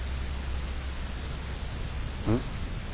うん？